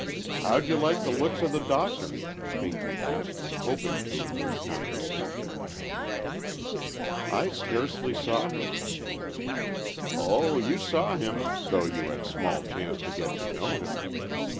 "How'd you like the looks of the Doctor?" Pinky asked, hoping to induce conversation. "I scarcely saw him." "Oh, you saw him,—though you had small chance to get to know him.